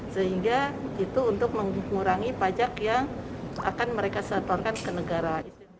sehingga itu untuk mengurangi pajak yang akan mereka setorkan ke negara